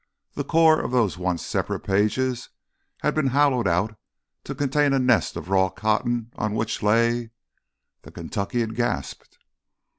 The core of those once separate pages had been hollowed out to contain a nest of raw cotton on which lay ... The Kentuckian gasped.